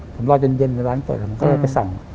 ผมรอจนเย็นในร้านเปิดผมก็เลยไปสั่ง